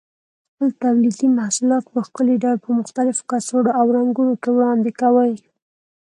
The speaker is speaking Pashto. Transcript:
خپل تولیدي محصولات په ښکلي ډول په مختلفو کڅوړو او رنګونو کې وړاندې کوي.